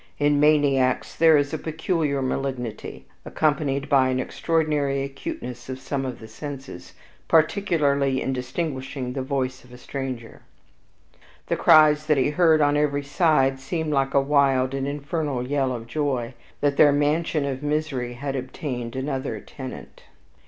In maniacs there is a peculiar malignity, accompanied by an extraordinary acuteness of some of the senses, particularly in distinguishing the voice of a stranger. The cries that he heard on every side seemed like a wild and infernal yell of joy, that their mansion of misery had obtained another tenant.